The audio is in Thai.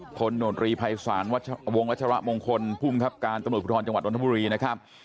คนหน่วนรีภัยสารวงวัชรวะมงคลผู้มีความทรัพย์การตำรวจผู้ทรรย์จังหวัดอวรรณบุรีนะครับ